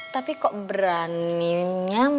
tapi kok beraninya